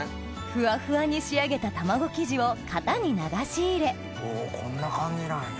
ふわふわに仕上げた卵生地を型に流し入れこんな感じなんや。